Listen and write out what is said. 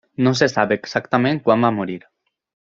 No se sap exactament quan va morir.